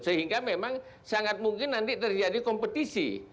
sehingga memang sangat mungkin nanti terjadi kompetisi